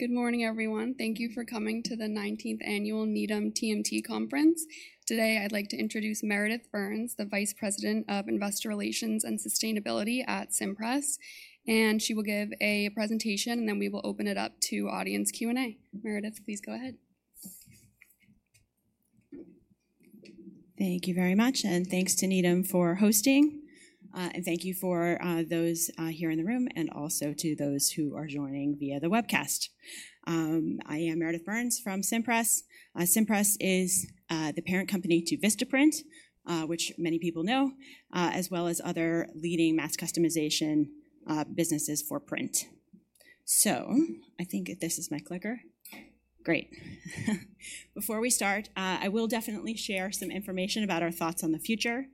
Good morning, everyone. Thank you for coming to The 19th Annual Needham TMT Conference. Today I'd like to introduce Meredith Burns, the Vice President of Investor Relations and Sustainability at Cimpress, and she will give a presentation and then we will open it up to audience Q&A. Meredith, please go ahead. Thank you very much, and thanks to Needham for hosting, and thank you for those here in the room and also to those who are joining via the webcast. I am Meredith Burns from Cimpress. Cimpress is the parent company to Vistaprint, which many people know, as well as other leading mass customization businesses for print. So I think this is my clicker. Great. Before we start, I will definitely share some information about our thoughts on the future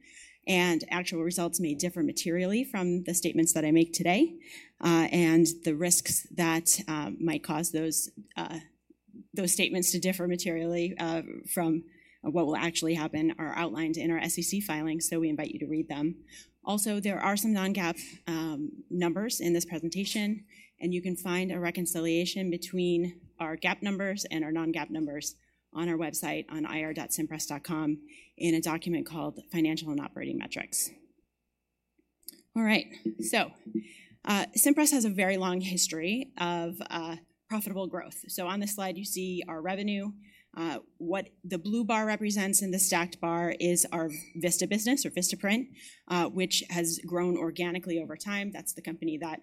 and actual results may differ materially from the statements that I make today, and the risks that might cause those statements to differ materially from what will actually happen are outlined in our SEC filing, so we invite you to read them. Also, there are some non-GAAP numbers in this presentation, and you can find a reconciliation between our GAAP numbers and our non-GAAP numbers on our website on ir.cimpress.com in a document called Financial and Operating Metrics. All right, so Cimpress has a very long history of profitable growth. So on this slide you see our revenue. What the blue bar represents in the stacked bar is our Vista business, or Vistaprint, which has grown organically over time. That's the company that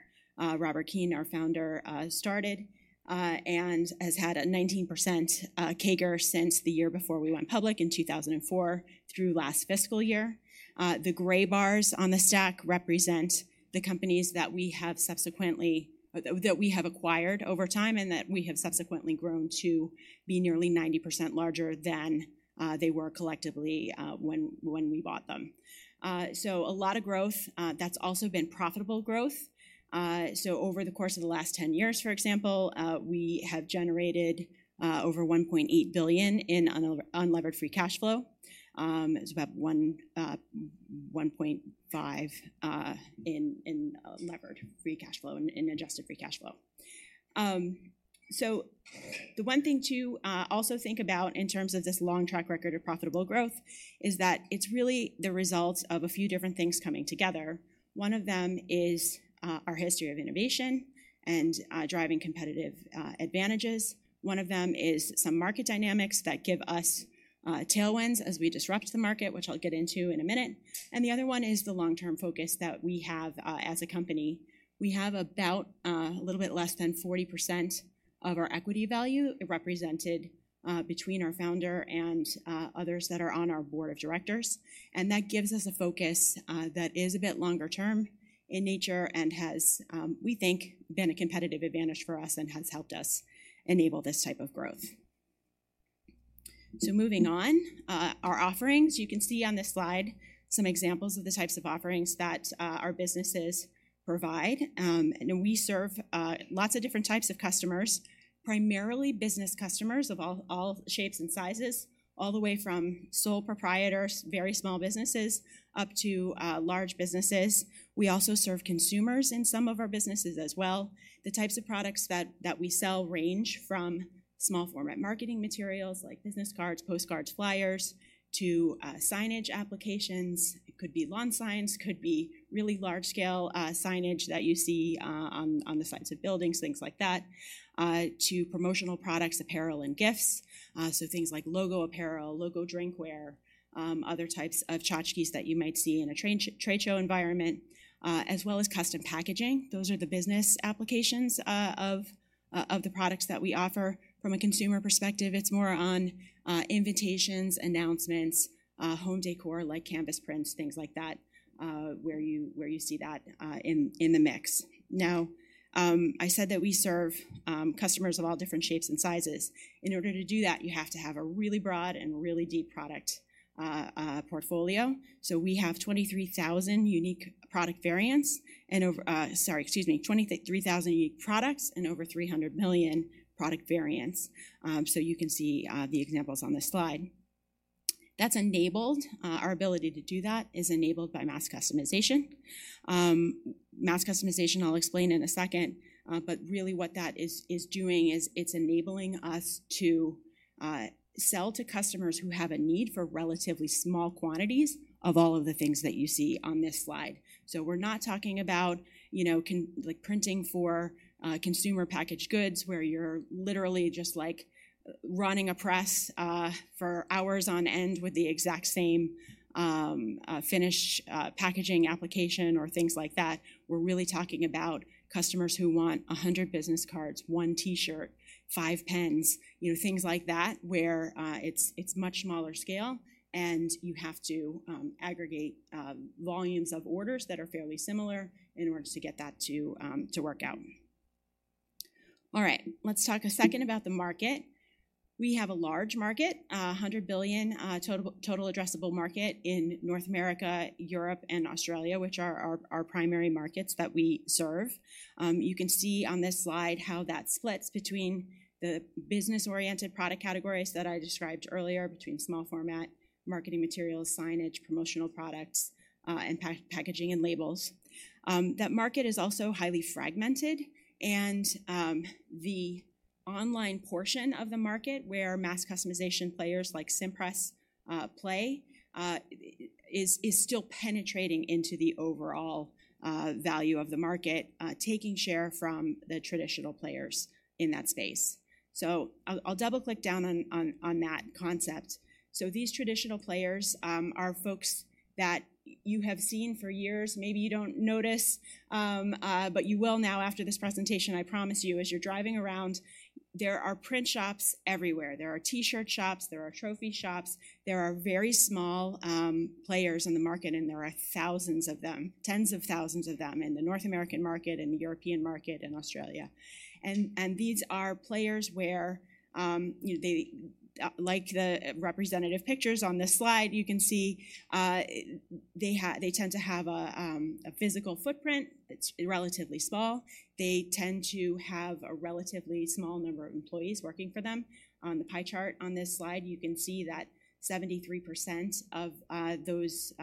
Robert Keane, our founder, started and has had a 19% CAGR since the year before we went public in 2004 through last fiscal year. The gray bars on the stack represent the companies that we have subsequently that we have acquired over time and that we have subsequently grown to be nearly 90% larger than they were collectively when we bought them. So a lot of growth, that's also been profitable growth. So over the course of the last 10 years, for example, we have generated over $1.8 billion in unlevered free cash flow. It's about $1.5 billion in levered free cash flow, in adjusted free cash flow. So the one thing to also think about in terms of this long track record of profitable growth is that it's really the results of a few different things coming together. One of them is our history of innovation and driving competitive advantages. One of them is some market dynamics that give us tailwinds as we disrupt the market, which I'll get into in a minute. And the other one is the long-term focus that we have as a company. We have about a little bit less than 40% of our equity value represented between our founder and others that are on our board of directors, and that gives us a focus that is a bit longer term in nature and has, we think, been a competitive advantage for us and has helped us enable this type of growth. So moving on, our offerings. You can see on this slide some examples of the types of offerings that our businesses provide. And we serve lots of different types of customers, primarily business customers of all shapes and sizes, all the way from sole proprietors, very small businesses, up to large businesses. We also serve consumers in some of our businesses as well. The types of products that we sell range from small format marketing materials like business cards, postcards, flyers, to signage applications. It could be lawn signs, could be really large scale signage that you see on the sides of buildings, things like that, to promotional products, apparel, and gifts. So things like logo apparel, logo drinkware, other types of tchotchkes that you might see in a trade show environment, as well as custom packaging. Those are the business applications of the products that we offer. From a consumer perspective, it's more on invitations, announcements, home decor like canvas prints, things like that, where you see that in the mix. Now, I said that we serve customers of all different shapes and sizes. In order to do that, you have to have a really broad and really deep product portfolio. So we have 23,000 unique product variants and over sorry, excuse me, 23,000 unique products and over 300 million product variants. So you can see the examples on this slide. That's enabled. Our ability to do that is enabled by mass customization. Mass customization, I'll explain in a second, but really what that is doing is it's enabling us to sell to customers who have a need for relatively small quantities of all of the things that you see on this slide. So we're not talking about printing for consumer packaged goods where you're literally just running a press for hours on end with the exact same finished packaging application or things like that. We're really talking about customers who want 100 business cards, one T-shirt, five pens, things like that where it's much smaller scale and you have to aggregate volumes of orders that are fairly similar in order to get that to work out. All right, let's talk a second about the market. We have a large market, $100 billion total addressable market in North America, Europe, and Australia, which are our primary markets that we serve. You can see on this slide how that splits between the business oriented product categories that I described earlier, between small format marketing materials, signage, promotional products, and packaging and labels. That market is also highly fragmented, and the online portion of the market where mass customization players like Cimpress play is still penetrating into the overall value of the market, taking share from the traditional players in that space. So I'll double click down on that concept. So these traditional players are folks that you have seen for years. Maybe you don't notice, but you will now after this presentation, I promise you, as you're driving around, there are print shops everywhere. There are T-shirt shops, there are trophy shops, there are very small players in the market, and there are thousands of them, tens of thousands of them in the North American market, in the European market, in Australia. These are players where, like the representative pictures on this slide, you can see they tend to have a physical footprint that's relatively small. They tend to have a relatively small number of employees working for them. On the pie chart on this slide, you can see that 73% of those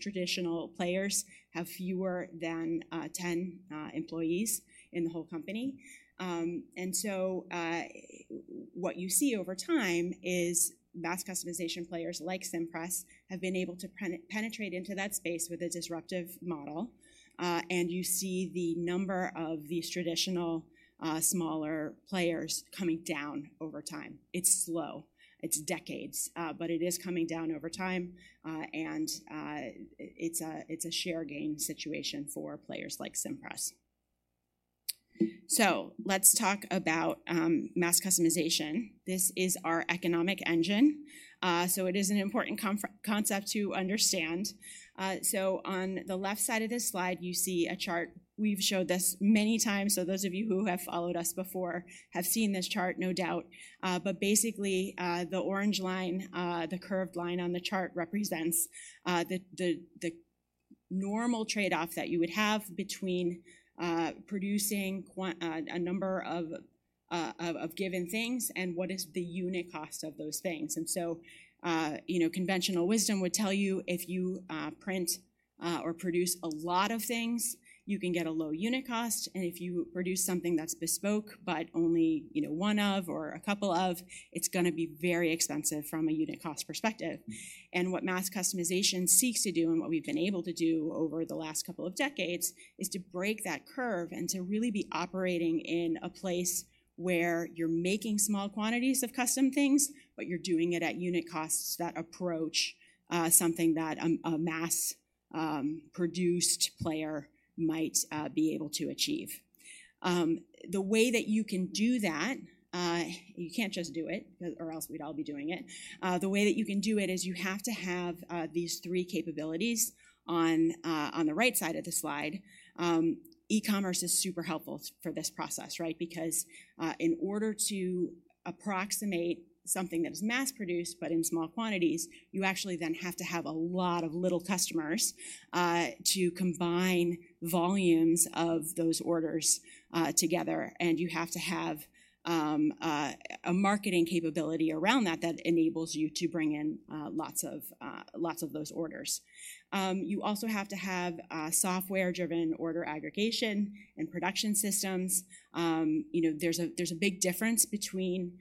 traditional players have fewer than 10 employees in the whole company. So what you see over time is mass customization players like Cimpress have been able to penetrate into that space with a disruptive model, and you see the number of these traditional smaller players coming down over time. It's slow. It's decades, but it is coming down over time, and it's a share gain situation for players like Cimpress. So let's talk about mass customization. This is our economic engine, so it is an important concept to understand. So on the left side of this slide, you see a chart. We've showed this many times, so those of you who have followed us before have seen this chart, no doubt. But basically, the orange line, the curved line on the chart, represents the normal trade off that you would have between producing a number of given things and what is the unit cost of those things. Conventional wisdom would tell you if you print or produce a lot of things, you can get a low unit cost, and if you produce something that's bespoke but only one of or a couple of, it's going to be very expensive from a unit cost perspective. What mass customization seeks to do, and what we've been able to do over the last couple of decades, is to break that curve and to really be operating in a place where you're making small quantities of custom things, but you're doing it at unit costs that approach something that a mass produced player might be able to achieve. The way that you can do that, you can't just do it, or else we'd all be doing it. The way that you can do it is you have to have these three capabilities. On the right side of the slide, e-commerce is super helpful for this process, right? Because in order to approximate something that is mass produced but in small quantities, you actually then have to have a lot of little customers to combine volumes of those orders together, and you have to have a marketing capability around that that enables you to bring in lots of those orders. You also have to have software driven order aggregation and production systems. There's a big difference between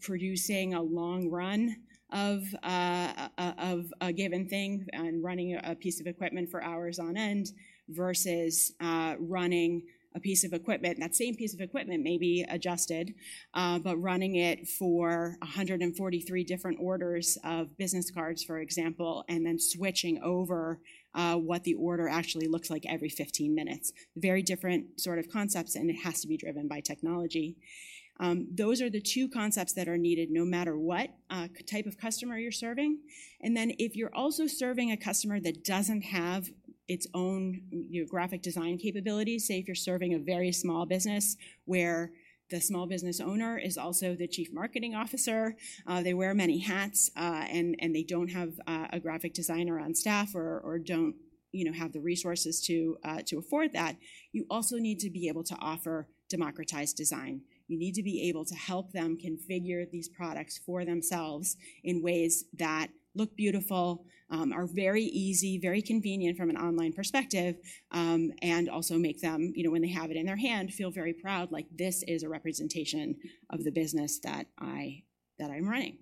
producing a long run of a given thing and running a piece of equipment for hours on end versus running a piece of equipment, that same piece of equipment maybe adjusted, but running it for 143 different orders of business cards, for example, and then switching over what the order actually looks like every 15 minutes. Very different sort of concepts, and it has to be driven by technology. Those are the two concepts that are needed no matter what type of customer you're serving. And then if you're also serving a customer that doesn't have its own graphic design capabilities, say if you're serving a very small business where the small business owner is also the chief marketing officer, they wear many hats, and they don't have a graphic designer on staff or don't have the resources to afford that, you also need to be able to offer democratized design. You need to be able to help them configure these products for themselves in ways that look beautiful, are very easy, very convenient from an online perspective, and also make them, when they have it in their hand, feel very proud, like this is a representation of the business that I'm running.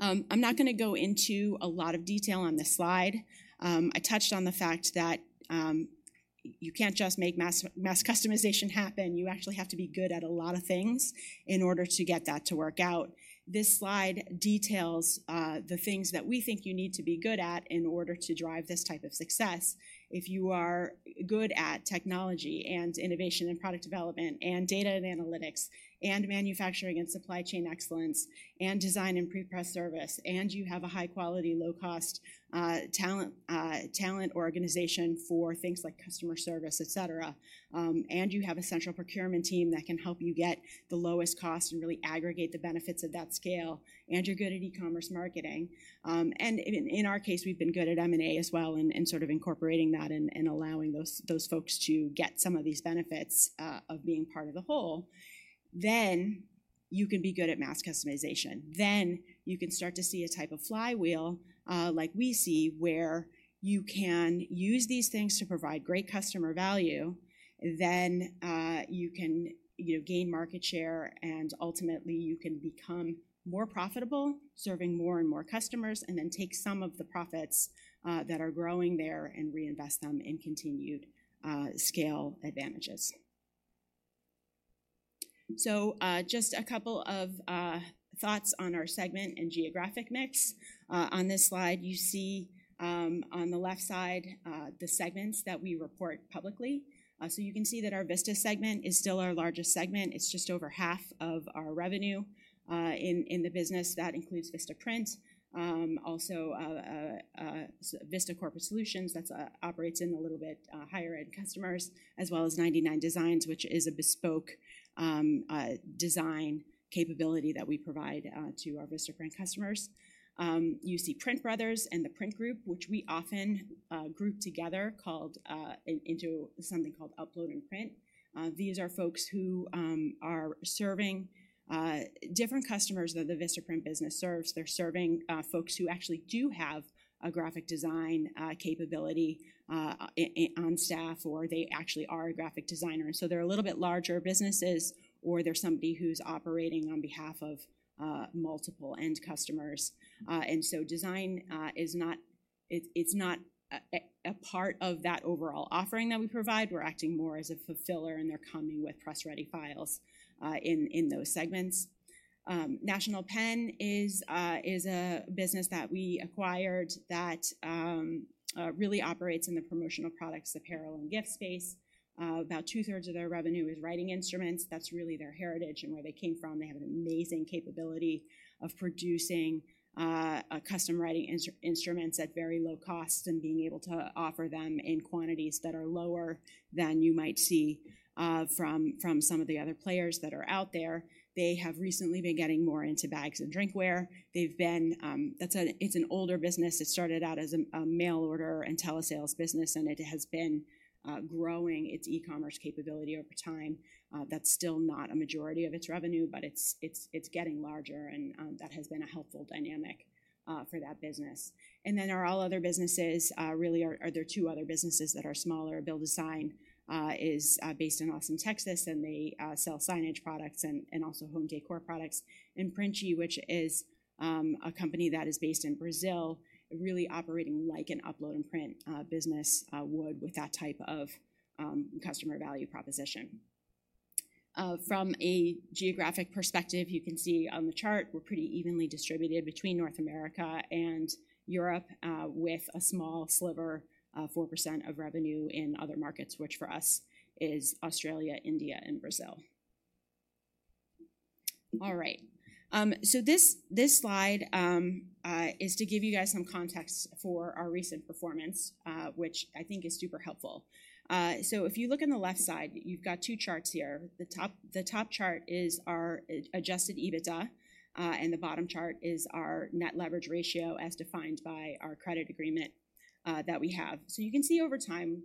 I'm not going to go into a lot of detail on this slide. I touched on the fact that you can't just make mass customization happen. You actually have to be good at a lot of things in order to get that to work out. This slide details the things that we think you need to be good at in order to drive this type of success. If you are good at technology and innovation and product development and data and analytics and manufacturing and supply chain excellence and design and prepress service, and you have a high quality, low cost talent organization for things like customer service, et cetera, and you have a central procurement team that can help you get the lowest cost and really aggregate the benefits of that scale, and you're good at e-commerce marketing, and in our case, we've been good at M&A as well and sort of incorporating that and allowing those folks to get some of these benefits of being part of the whole, then you can be good at mass customization. Then you can start to see a type of flywheel like we see where you can use these things to provide great customer value, then you can gain market share, and ultimately you can become more profitable serving more and more customers and then take some of the profits that are growing there and reinvest them in continued scale advantages. So just a couple of thoughts on our segment and geographic mix. On this slide, you see on the left side the segments that we report publicly. So you can see that our Vista segment is still our largest segment. It's just over half of our revenue in the business. That includes Vistaprint, also Vista Corporate Solutions. That operates in a little bit higher-end customers, as well as 99designs, which is a bespoke design capability that we provide to our Vistaprint customers. You see PrintBrothers and The Print Group, which we often group together into something called Upload and Print. These are folks who are serving different customers that the Vistaprint business serves. They're serving folks who actually do have a graphic design capability on staff, or they actually are a graphic designer. And so they're a little bit larger businesses, or they're somebody who's operating on behalf of multiple end customers. And so design is not a part of that overall offering that we provide. We're acting more as a fulfiller, and they're coming with press ready files in those segments. National Pen is a business that we acquired that really operates in the promotional products, apparel, and gift space. About two thirds of their revenue is writing instruments. That's really their heritage and where they came from. They have an amazing capability of producing custom writing instruments at very low cost and being able to offer them in quantities that are lower than you might see from some of the other players that are out there. They have recently been getting more into bags and drinkware. It's an older business. It started out as a mail order and telesales business, and it has been growing its e-commerce capability over time. That's still not a majority of its revenue, but it's getting larger, and that has been a helpful dynamic for that business. And then, all other businesses, really, there are two other businesses that are smaller. BuildASign is based in Austin, Texas, and they sell signage products and also home decor products. Printi, which is a company that is based in Brazil, really operating like an Upload and Print business would with that type of customer value proposition. From a geographic perspective, you can see on the chart, we're pretty evenly distributed between North America and Europe, with a small sliver of 4% of revenue in other markets, which for us is Australia, India, and Brazil. All right, so this slide is to give you guys some context for our recent performance, which I think is super helpful. So if you look on the left side, you've got two charts here. The top chart is our Adjusted EBITDA, and the bottom chart is our net leverage ratio as defined by our credit agreement that we have. So you can see over time,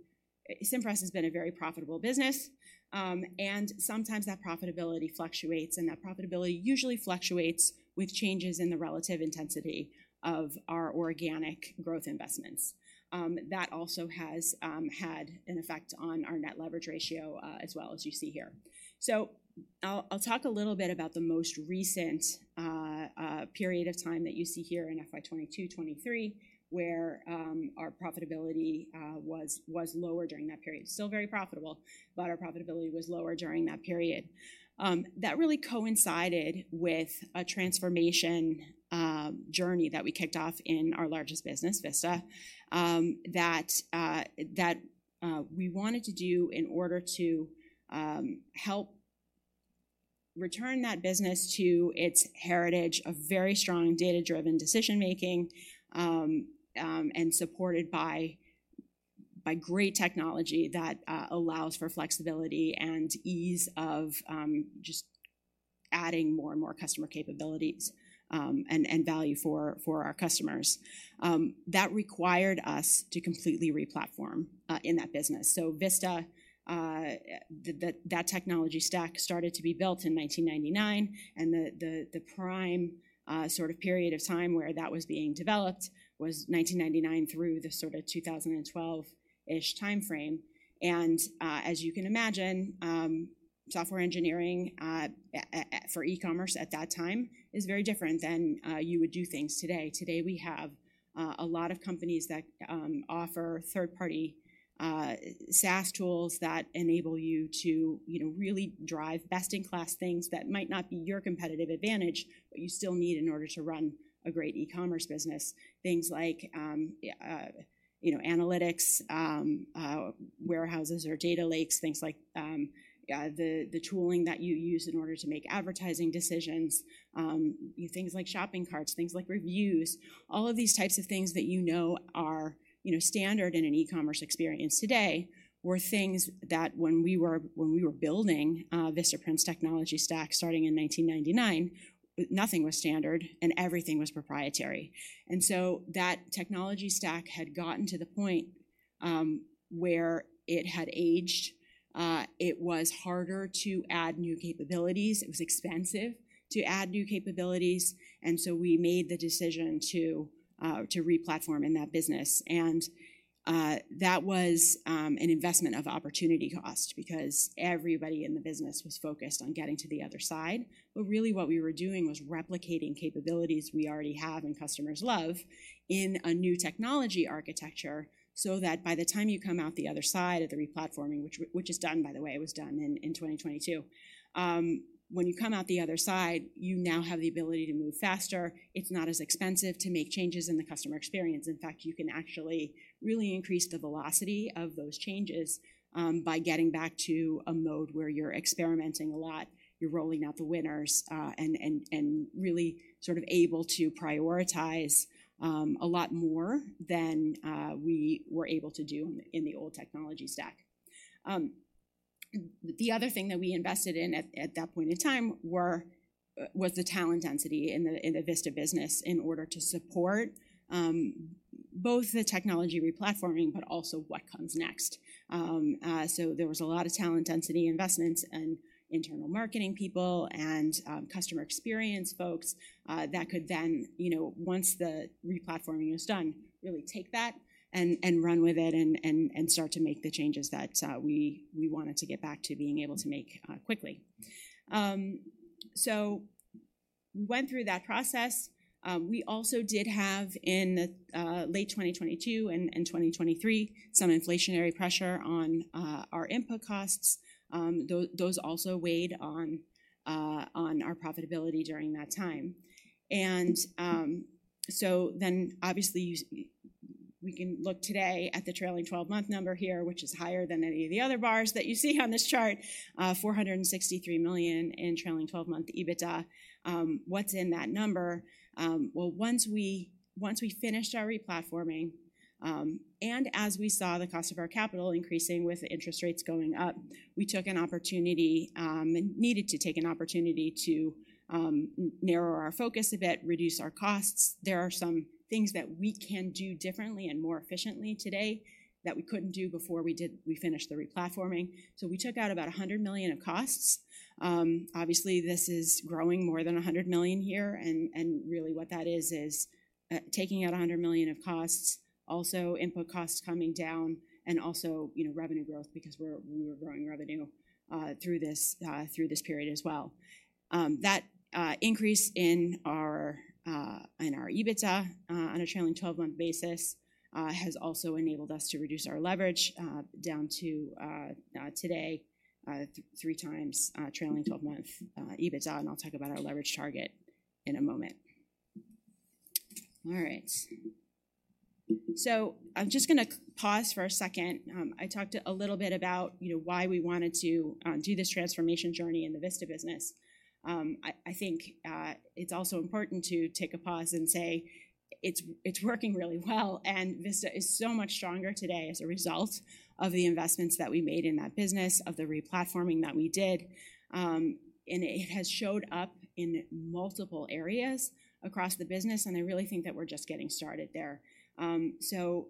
Cimpress has been a very profitable business, and sometimes that profitability fluctuates, and that profitability usually fluctuates with changes in the relative intensity of our organic growth investments. That also has had an effect on our net leverage ratio as well as you see here. So I'll talk a little bit about the most recent period of time that you see here in FY 2022-2023, where our profitability was lower during that period. Still very profitable, but our profitability was lower during that period. That really coincided with a transformation journey that we kicked off in our largest business, Vista, that we wanted to do in order to help return that business to its heritage of very strong data-driven decision making and supported by great technology that allows for flexibility and ease of just adding more and more customer capabilities and value for our customers. That required us to completely replatform in that business. So Vista, that technology stack started to be built in 1999, and the prime sort of period of time where that was being developed was 1999 through the sort of 2012-ish time frame. As you can imagine, software engineering for e-commerce at that time is very different than you would do things today. Today we have a lot of companies that offer third party SaaS tools that enable you to really drive best in class things that might not be your competitive advantage, but you still need in order to run a great e-commerce business. Things like analytics, warehouses or data lakes, things like the tooling that you use in order to make advertising decisions, things like shopping carts, things like reviews, all of these types of things that you know are standard in an e-commerce experience today were things that when we were building Vistaprint's technology stack starting in 1999, nothing was standard, and everything was proprietary. So that technology stack had gotten to the point where it had aged. It was harder to add new capabilities. It was expensive to add new capabilities, and so we made the decision to replatform in that business. That was an investment of opportunity cost because everybody in the business was focused on getting to the other side. But really what we were doing was replicating capabilities we already have and customers love in a new technology architecture so that by the time you come out the other side of the replatforming, which is done, by the way, it was done in 2022, when you come out the other side, you now have the ability to move faster. It's not as expensive to make changes in the customer experience. In fact, you can actually really increase the velocity of those changes by getting back to a mode where you're experimenting a lot. You're rolling out the winners and really sort of able to prioritize a lot more than we were able to do in the old technology stack. The other thing that we invested in at that point in time was the talent density in the Vista business in order to support both the technology replatforming, but also what comes next. So there was a lot of talent density investments and internal marketing people and customer experience folks that could then, once the replatforming is done, really take that and run with it and start to make the changes that we wanted to get back to being able to make quickly. So we went through that process. We also did have in late 2022 and 2023 some inflationary pressure on our input costs. Those also weighed on our profitability during that time. Obviously, we can look today at the trailing 12-month number here, which is higher than any of the other bars that you see on this chart: $463 million in trailing 12-month EBITDA. What's in that number? Well, once we finished our replatforming and as we saw the cost of our capital increasing with the interest rates going up, we took an opportunity and needed to take an opportunity to narrow our focus a bit, reduce our costs. There are some things that we can do differently and more efficiently today that we couldn't do before we finished the replatforming. We took out about $100 million of costs. Obviously, this is growing more than $100 million here, and really what that is is taking out $100 million of costs, also input costs coming down, and also revenue growth because we were growing revenue through this period as well. That increase in our EBITDA on a trailing 12-month basis has also enabled us to reduce our leverage down to today, 3x trailing 12-month EBITDA, and I'll talk about our leverage target in a moment. All right, so I'm just going to pause for a second. I talked a little bit about why we wanted to do this transformation journey in the Vista business. I think it's also important to take a pause and say it's working really well, and Vista is so much stronger today as a result of the investments that we made in that business, of the replatforming that we did, and it has showed up in multiple areas across the business, and I really think that we're just getting started there. So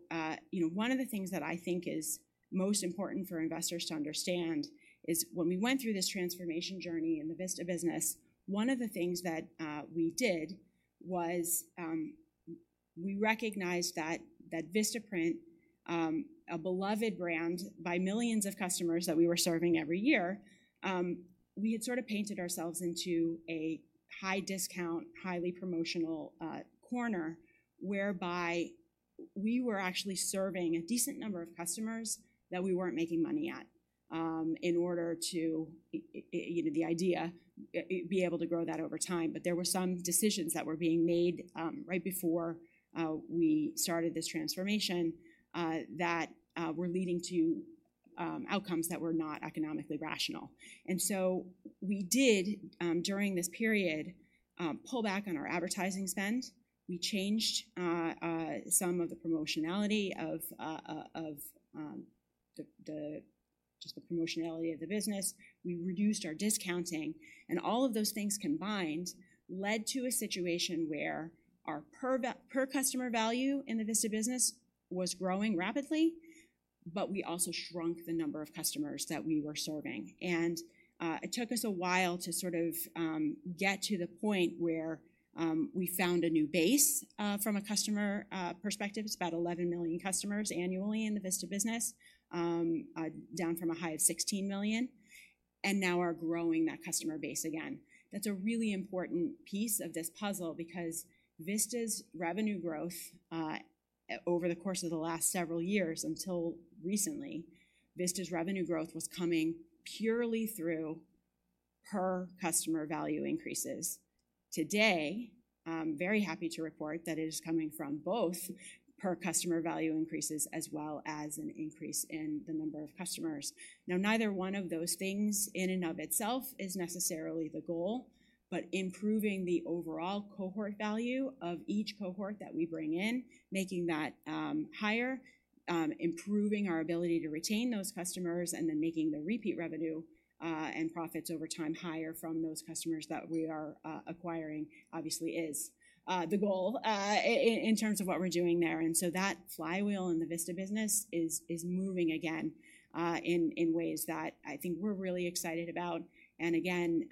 one of the things that I think is most important for investors to understand is when we went through this transformation journey in the Vista business, one of the things that we did was we recognized that Vistaprint, a beloved brand by millions of customers that we were serving every year, we had sort of painted ourselves into a high discount, highly promotional corner whereby we were actually serving a decent number of customers that we weren't making money at in order the idea be able to grow that over time. But there were some decisions that were being made right before we started this transformation that were leading to outcomes that were not economically rational. And so we did during this period pull back on our advertising spend. We changed some of the promotionality of just the promotionality of the business. We reduced our discounting, and all of those things combined led to a situation where our per customer value in the Vista business was growing rapidly, but we also shrunk the number of customers that we were serving. It took us a while to sort of get to the point where we found a new base from a customer perspective. It's about 11 million customers annually in the Vista business, down from a high of 16 million, and now are growing that customer base again. That's a really important piece of this puzzle because Vista's revenue growth over the course of the last several years until recently, Vista's revenue growth was coming purely through per customer value increases. Today, I'm very happy to report that it is coming from both per customer value increases as well as an increase in the number of customers. Now, neither one of those things in and of itself is necessarily the goal, but improving the overall cohort value of each cohort that we bring in, making that higher, improving our ability to retain those customers, and then making the repeat revenue and profits over time higher from those customers that we are acquiring obviously is the goal in terms of what we're doing there. And so that flywheel in the Vista business is moving again in ways that I think we're really excited about. And again,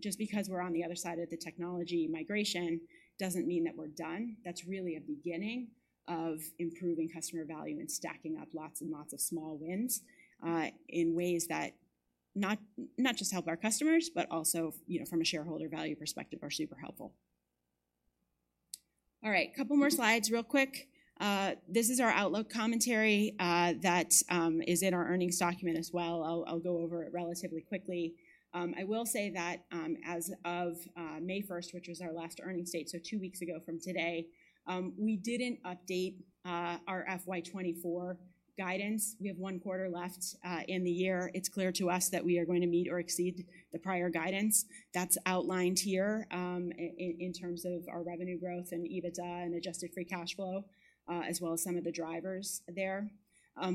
just because we're on the other side of the technology migration doesn't mean that we're done. That's really a beginning of improving customer value and stacking up lots and lots of small wins in ways that not just help our customers, but also from a shareholder value perspective, are super helpful. All right, a couple more slides real quick. This is our outlook commentary that is in our earnings document as well. I'll go over it relatively quickly. I will say that as of May 1st, which was our last earnings date, so two weeks ago from today, we didn't update our FY 2024 guidance. We have one quarter left in the year. It's clear to us that we are going to meet or exceed the prior guidance. That's outlined here in terms of our revenue growth and EBITDA and adjusted free cash flow, as well as some of the drivers there.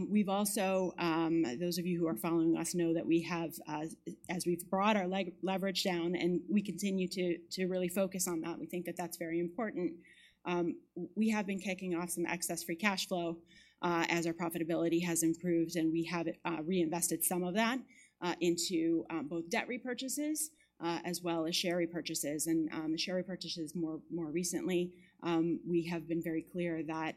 We've also, those of you who are following us know that we have, as we've brought our leverage down and we continue to really focus on that, we think that that's very important. We have been kicking off some excess free cash flow as our profitability has improved, and we have reinvested some of that into both debt repurchases as well as share repurchases. The share repurchases more recently, we have been very clear that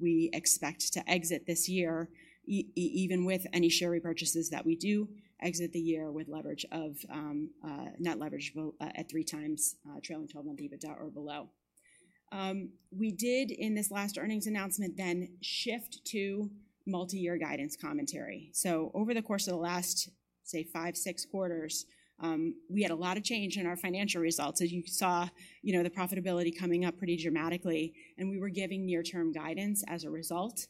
we expect to exit this year even with any share repurchases that we do exit the year with leverage of net leverage at 3x trailing 12-month EBITDA or below. We did in this last earnings announcement then shift to multi-year guidance commentary. Over the course of the last, say, five, six quarters, we had a lot of change in our financial results. As you saw, the profitability coming up pretty dramatically, and we were giving near-term guidance as a result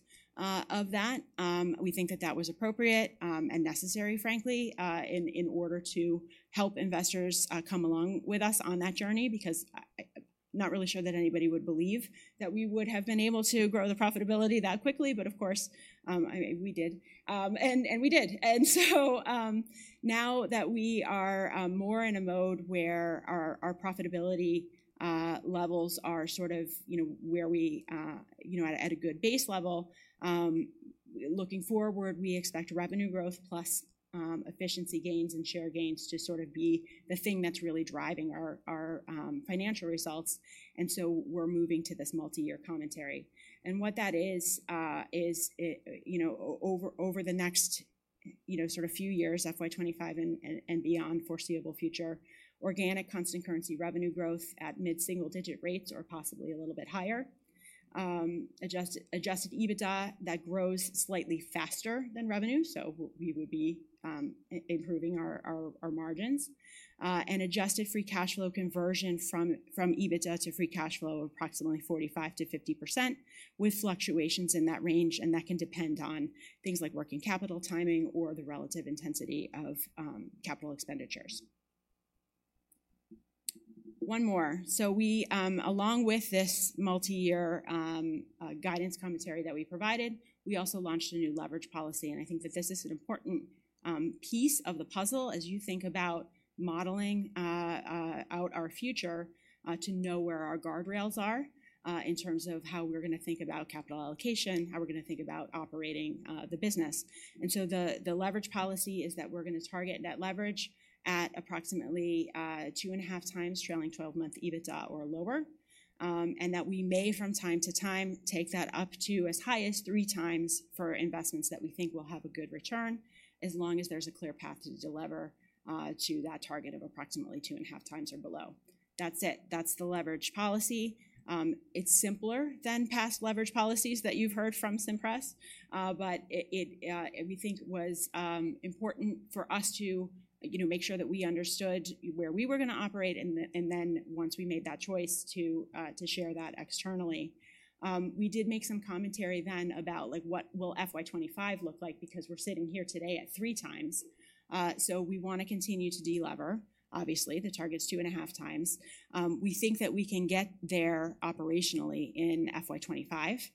of that. We think that that was appropriate and necessary, frankly, in order to help investors come along with us on that journey because I'm not really sure that anybody would believe that we would have been able to grow the profitability that quickly. But of course, we did. And we did. And so now that we are more in a mode where our profitability levels are sort of where we at a good base level, looking forward, we expect revenue growth plus efficiency gains and share gains to sort of be the thing that's really driving our financial results. And so we're moving to this multi-year commentary. And what that is is over the next sort of few years, FY25 and beyond, foreseeable future, organic constant currency revenue growth at mid single digit rates or possibly a little bit higher, Adjusted EBITDA that grows slightly faster than revenue. So we would be improving our margins, and adjusted free cash flow conversion from EBITDA to free cash flow approximately 45%-50% with fluctuations in that range. And that can depend on things like working capital timing or the relative intensity of capital expenditures. One more. So along with this multi-year guidance commentary that we provided, we also launched a new leverage policy. And I think that this is an important piece of the puzzle as you think about modeling out our future to know where our guardrails are in terms of how we're going to think about capital allocation, how we're going to think about operating the business. The leverage policy is that we're going to target net leverage at approximately 2.5x trailing 12-month EBITDA or lower, and that we may from time to time take that up to as high as 3x for investments that we think will have a good return as long as there's a clear path to deliver to that target of approximately 2.5x or below. That's it. That's the leverage policy. It's simpler than past leverage policies that you've heard from Cimpress, but we think it was important for us to make sure that we understood where we were going to operate. Then once we made that choice to share that externally, we did make some commentary then about what will FY 2025 look like because we're sitting here today at 3x. So we want to continue to delever, obviously. The target is 2.5x. We think that we can get there operationally in FY25,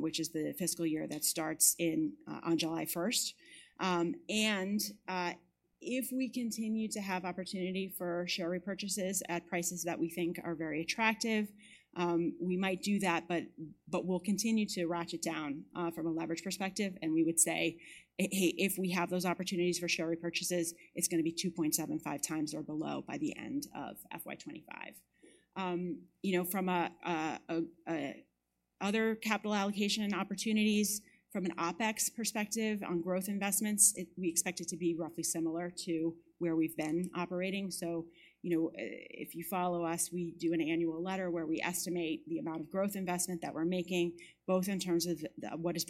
which is the fiscal year that starts on July 1st. And if we continue to have opportunity for share repurchases at prices that we think are very attractive, we might do that, but we'll continue to ratchet down from a leverage perspective. And we would say, hey, if we have those opportunities for share repurchases, it's going to be 2.75x or below by the end of FY25. From other capital allocation opportunities, from an OpEx perspective on growth investments, we expect it to be roughly similar to where we've been operating. So if you follow us, we do an annual letter where we estimate the amount of growth investment that we're making, both in terms of what is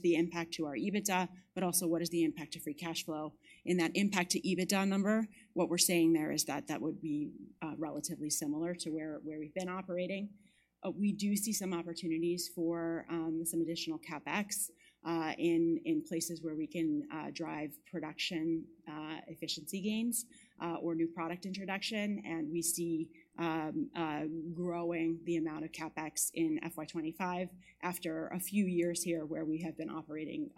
the impact to our EBITDA, but also what is the impact to free cash flow. In that impact to EBITDA number, what we're saying there is that that would be relatively similar to where we've been operating. We do see some opportunities for some additional CapEx in places where we can drive production efficiency gains or new product introduction. We see growing the amount of CapEx in FY25 after a few years here where we have been operating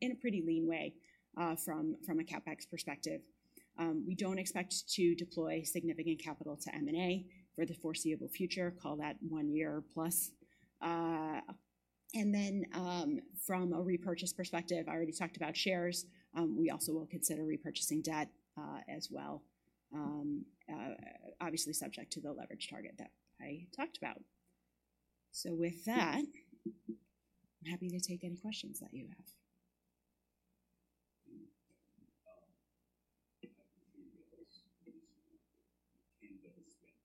in a pretty lean way from a CapEx perspective. We don't expect to deploy significant capital to M&A for the foreseeable future. Call that 1 year+. From a repurchase perspective, I already talked about shares. We also will consider repurchasing debt as well, obviously subject to the leverage target that I talked about. So with that, I'm happy to take any questions that you have. I can see that there's some increased spend.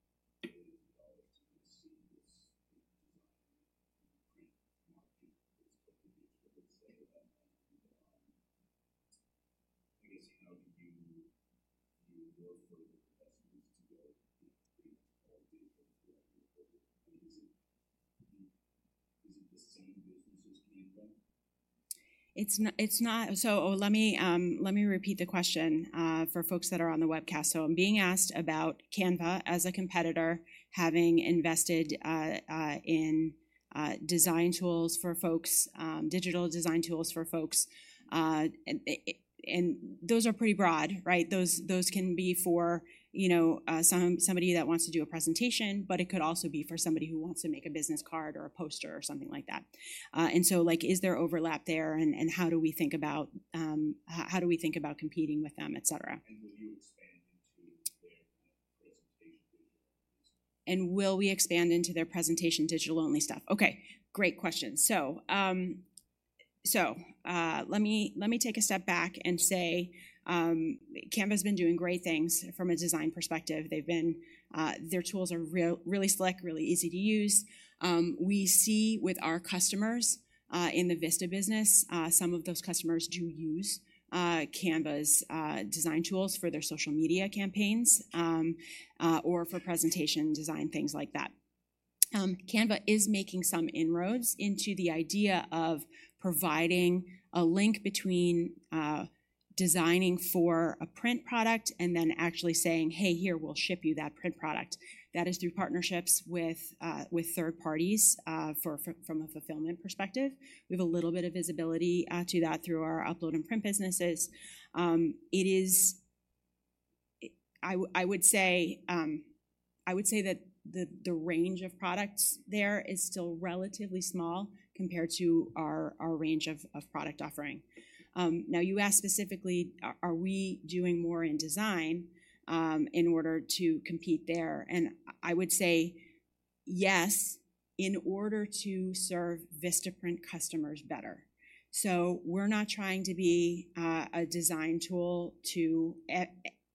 Billions of dollars to see this design print market that's going to be expected to save that money. I guess how do you work for the investors to go print all digitals throughout the year? I mean, is it the same business as Canva? So let me repeat the question for folks that are on the webcast. So I'm being asked about Canva as a competitor having invested in design tools for folks, digital design tools for folks. And those are pretty broad, right? Those can be for somebody that wants to do a presentation, but it could also be for somebody who wants to make a business card or a poster or something like that. And so is there overlap there, and how do we think about how do we think about competing with them, et cetera? Will you expand into their presentation digital only stuff? Will we expand into their presentation digital only stuff? Okay, great question. Let me take a step back and say Canva has been doing great things from a design perspective. Their tools are really slick, really easy to use. We see with our customers in the Vista business, some of those customers do use Canva's design tools for their social media campaigns or for presentation design, things like that. Canva is making some inroads into the idea of providing a link between designing for a print product and then actually saying, hey, here, we'll ship you that print product. That is through partnerships with third parties from a fulfillment perspective. We have a little bit of visibility to that through our upload and print businesses. I would say that the range of products there is still relatively small compared to our range of product offering. Now, you asked specifically, are we doing more in design in order to compete there? And I would say yes, in order to serve Vistaprint customers better. So we're not trying to be a design tool to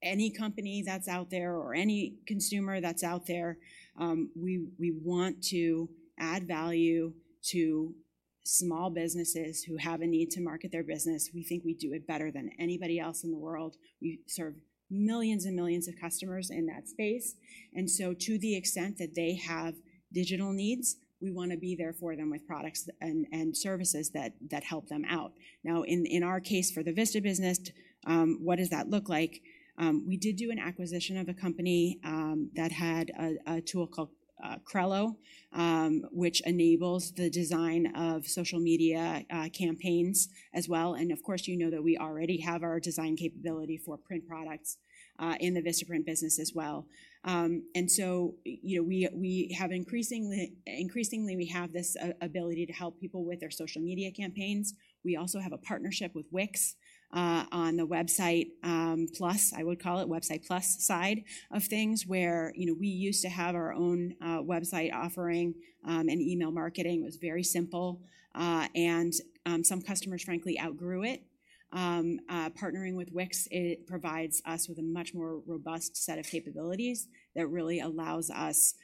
any company that's out there or any consumer that's out there. We want to add value to small businesses who have a need to market their business. We think we do it better than anybody else in the world. We serve millions and millions of customers in that space. And so to the extent that they have digital needs, we want to be there for them with products and services that help them out. Now, in our case for the Vista business, what does that look like? We did do an acquisition of a company that had a tool called Crello, which enables the design of social media campaigns as well. Of course, you know that we already have our design capability for print products in the Vista print business as well. So increasingly, we have this ability to help people with their social media campaigns. We also have a partnership with Wix on the Website Plus, I would call it Website Plus side of things where we used to have our own website offering and email marketing. It was very simple. Some customers, frankly, outgrew it. Partnering with Wix provides us with a much more robust set of capabilities that really allows us,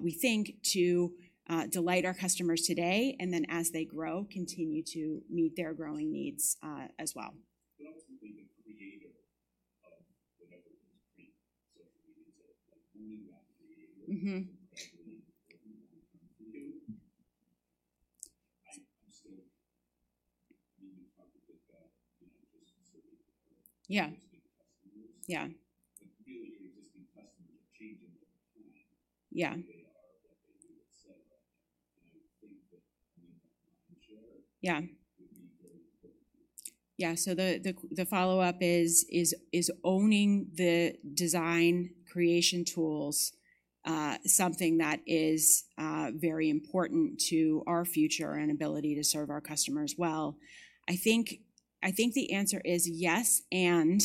we think, to delight our customers today and then as they grow, continue to meet their growing needs as well. But ultimately, the creator of the Vistaprint social media tool, like moving that creator from gradually to what you want to come to do. I'm still needing to talk to people, just serving existing customers. But really, your existing customers are changing over time, who they are, what they do, et cetera. And I think that owning that mindshare would be very important to you. Yeah. So the follow-up is owning the design creation tools, something that is very important to our future and ability to serve our customers well. I think the answer is yes, and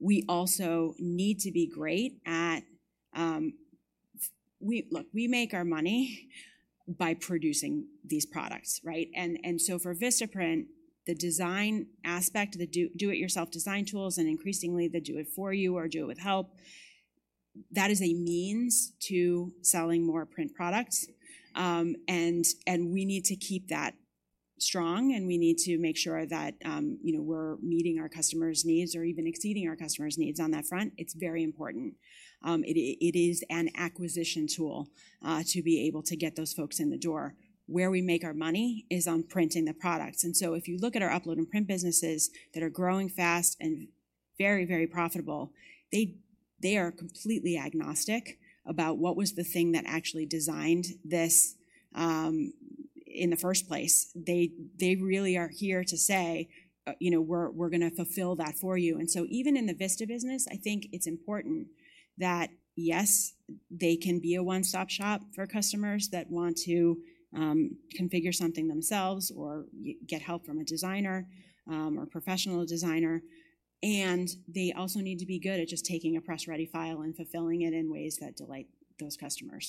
we also need to be great at look, we make our money by producing these products, right? And so for Vistaprint, the design aspect of the do-it-yourself design tools and increasingly the do it for you or do it with help, that is a means to selling more print products. And we need to keep that strong, and we need to make sure that we're meeting our customers' needs or even exceeding our customers' needs on that front. It's very important. It is an acquisition tool to be able to get those folks in the door. Where we make our money is on printing the products. If you look at our Upload and Print businesses that are growing fast and very, very profitable, they are completely agnostic about what was the thing that actually designed this in the first place. They really are here to say, we're going to fulfill that for you. And so even in the Vista business, I think it's important that, yes, they can be a one stop shop for customers that want to configure something themselves or get help from a designer or professional designer. And they also need to be good at just taking a press ready file and fulfilling it in ways that delight those customers.